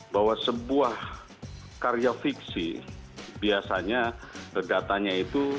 bahwa sebuah karya fiksi